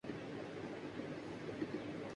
اس ہفتے میں مجھے بہت کچھ کرنا ہے۔